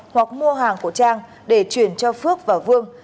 hoặc mua hàng của trang để chuyển cho phước và vương